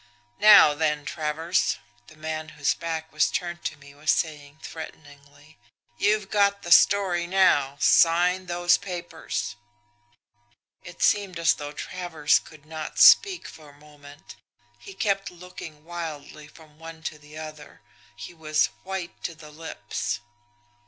"'Now then, Travers,' the man whose back was turned to me was saying threateningly, 'you've got the story now sign those papers!' "It seemed as though Travers could not speak for a moment. He kept looking wildly from one to the other. He was white to the lips.